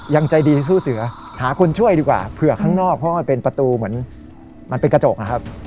ยังใจดีสู้เสือหาคนช่วยดีกว่าเผื่อข้างนอกเพราะมันเป็นประตูเหมือนมันเป็นกระจกนะครับ